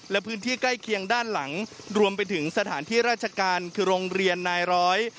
และพื้นที่ใกล้เคียงด้านหลังรวมไปถึงสถานที่ราชการคือโรงเรียนนายร้อย